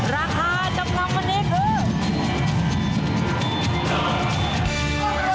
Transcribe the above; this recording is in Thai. ราคาจำนำวันนี้คือ